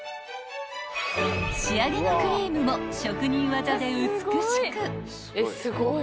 ［仕上げのクリームも職人技で美しく］